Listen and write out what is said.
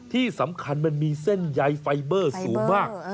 ที่สำคัญมันมีเส้นใยไฟเบอร์สูงมาก